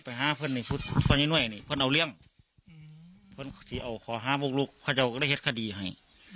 ผู้เดี่ยวกับกวนให้บ้าน